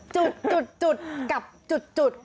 จุดจุดจุดกับจุดจุด